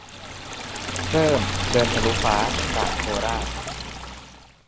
- เริ่ม เดินทะลุฟ้า จากโคราช